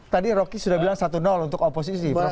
tadi rocky sudah bilang satu untuk oposisi